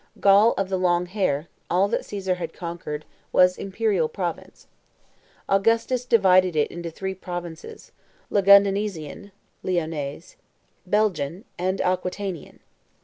Gaul "of the long hair," all that Caesar had conquered, was imperial province. Augustus divided it into three provinces, Lugdunensian (Lyonese), Belgian, and Aquitanian.